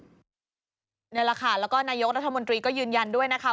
นี่แหละค่ะแล้วก็นายกรัฐมนตรีก็ยืนยันด้วยนะคะ